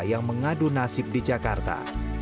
yang mengadu nasib di jakarta